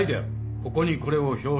ここにこれを表彰する。